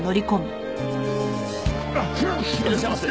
いらっしゃいませ。